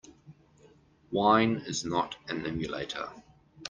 Wine is not an emulator.